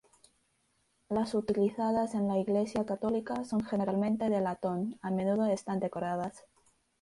Las utilizadas en la Iglesia católica son generalmente de latón, a menudo están decoradas.